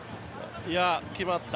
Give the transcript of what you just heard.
決まった。